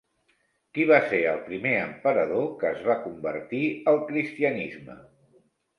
Qui va ser el primer emperador que es va convertir al cristianisme?